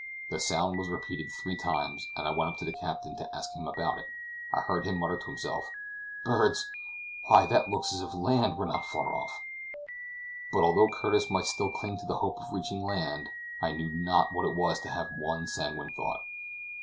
The sound was repeated three times, and as I went up to the captain to ask him about it, I heard him mutter to himself: "Birds! Why, that looks as if land were not far off." But although Curtis might still cling to the hope of reaching land, I knew not what it was to have one sanguine thought.